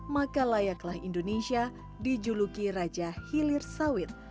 maka layaklah indonesia dijuluki raja hilir sawit